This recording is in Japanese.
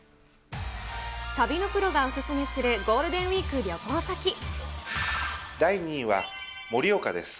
旅のプロがお勧めするゴール第２位は、盛岡です。